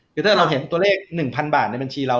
คือถ้าเราเห็นตัวเลข๑๐๐๐บาทในบัญชีเรา